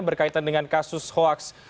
berkaitan dengan kasus hoax